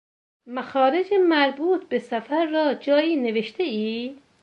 مخارج مربوط به سفر را جایی نوشتهای؟